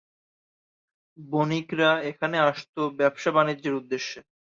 বণিকরা এখানে আসতো ব্যবসা-বাণিজ্যের উদ্দেশ্যে।